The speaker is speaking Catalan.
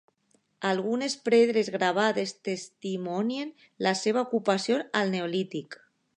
Algunes pedres gravades testimonien la seva ocupació al neolític.